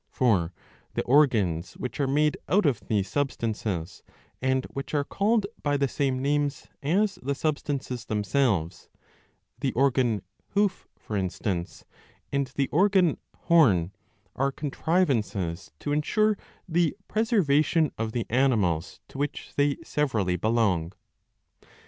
For the organs which are made out of these substances, and which are called by the same names as the substances themselves, the organ hoof for instance and the organ horn, are contrivances to ensure the preservation of the animals to which they severally belong.